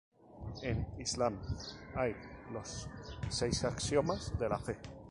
En Islam, hay "Los seis axiomas de la fe".